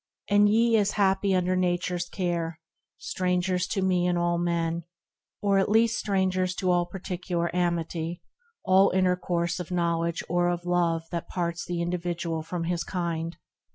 And ye as happy under Nature's care, Strangers to me and all men, or at least Strangers to all particular amity, 36 THE RECLUSE All intercourse of knowledge or of love That parts the individual from his kind.